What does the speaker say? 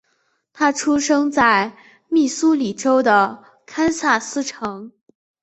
他出生在密苏里州的堪萨斯城。